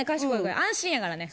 安心やからね。